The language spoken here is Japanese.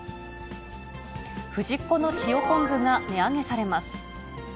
フジッコの塩昆布が値上げされます。